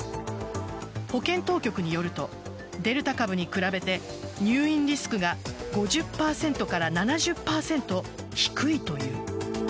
保健当局によるとデルタ株に比べて入院リスクが５０％から７０％低いという。